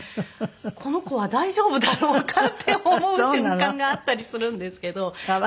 この子は大丈夫だろうか？って思う瞬間があったりするんですけど。